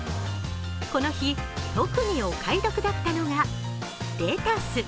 この日、特にお買い得だったのがレタス。